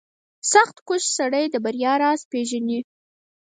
• سختکوش سړی د بریا راز پېژني.